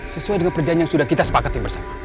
sesuai dengan perjanjian yang sudah kita sepakati bersama